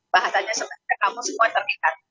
bahasanya sebenarnya kamu sekuat seringkan